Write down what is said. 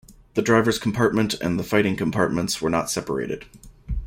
The driver's compartment and the fighting compartments were not separated.